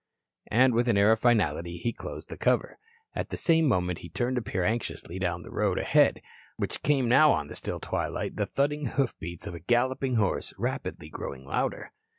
And with an air of finality, he closed the cover. At the same moment he turned to peer anxiously down the road ahead, whence came now on the still twilight the thudding hoofbeats of a galloping horse, rapidly growing louder.